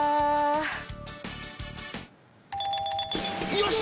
よし。